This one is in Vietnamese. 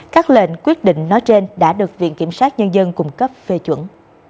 các lệnh quyết định nói trên đã được viện kiểm sát nhân dân cung cấp phê chuẩn